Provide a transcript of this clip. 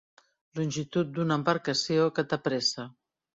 Longitud d'una embarcació que t'apressa.